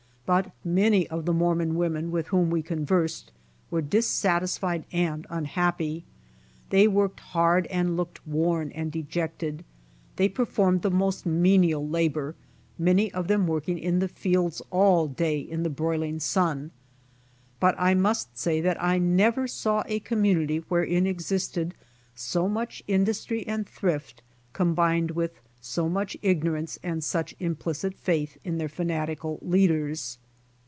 But many of the Mormon women with whom we conversed, were dissatisfied and unhappy. They worked hard and looked worn and dejected. They performied the most menial labor, many of them working in the fields all day in the broiling sun. But I must say that I never saw a community wherein existed so much industry and thrift, combined with so much ignorance and such implicit faith in their fanatical leaders.